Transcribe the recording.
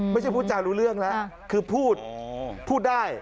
พูดจารู้เรื่องแล้วคือพูดพูดได้